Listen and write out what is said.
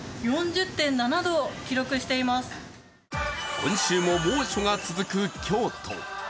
今週も猛暑が続く京都。